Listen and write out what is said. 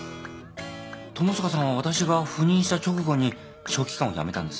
友坂さんは私が赴任した直後に書記官を辞めたんです。